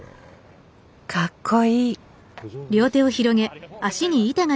かっこいい！